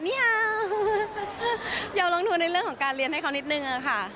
เนี่ยยอมลงทุนในเรื่องของการเรียนให้เขานิดหนึ่งค่ะ